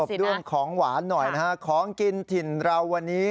เรื่องของหวานหน่อยนะฮะของกินถิ่นเราวันนี้